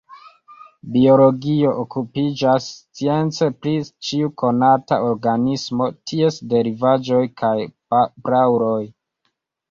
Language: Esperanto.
Biologio okupiĝas science pri ĉiu konata organismo, ties derivaĵoj kaj prauloj.